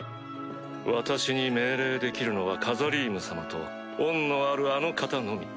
私に命令できるのはカザリーム様と恩のあるあの方のみ。